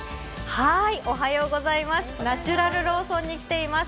ナチュラルローソンに来ています。